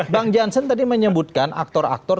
bang jansen tadi menyebutkan aktor aktor